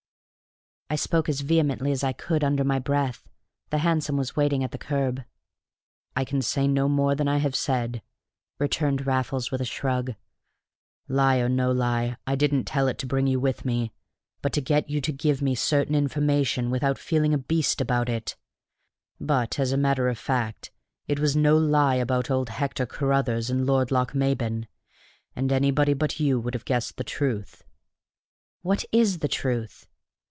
I spoke as vehemently as I could under my breath. The hansom was waiting at the curb. "I can say no more than I have said," returned Raffles with a shrug. "Lie or no lie, I didn't tell it to bring you with me, but to get you to give me certain information without feeling a beast about it. But, as a matter of fact, it was no lie about old Hector Carruthers and Lord Lochmaben, and anybody but you would have guessed the truth." "What is the truth?"